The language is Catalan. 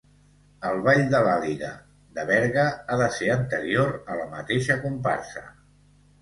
El ball de l'Àliga de Berga ha de ser anterior a la mateixa comparsa.